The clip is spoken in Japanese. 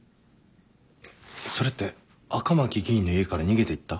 それって赤巻議員の家から逃げていった？